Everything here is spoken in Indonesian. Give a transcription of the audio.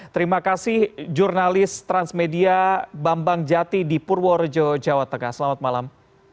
terima kasih jurnalis transmedia bambang jati di purworejo jawa tengah selamat malam